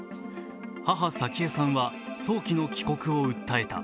母・早紀江さんは早期の帰国を訴えた。